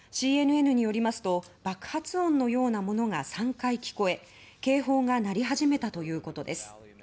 ＣＮＮによりますと爆発音のようなものが３回聞こえ警報が鳴り始めたということです。